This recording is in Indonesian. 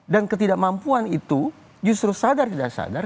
dan ketidakmampuan itu justru sadar tidak sadar